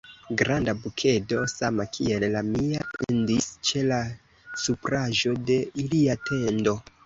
Granda bukedo, sama kiel la mia, pendis ĉe la supraĵo de ilia tendo.